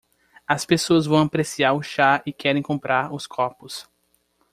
As pessoas vão apreciar o chá e querem comprar os copos.